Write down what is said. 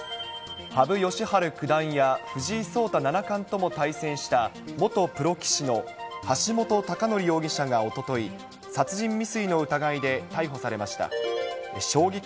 羽生善治九段や、藤井聡太七冠とも対戦した元プロ棋士の橋本崇載容疑者がおととい、殺人未遂の疑いで逮捕されました。